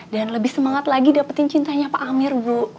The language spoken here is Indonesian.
dan lebih semangat lagi dapetin cintanya pak amir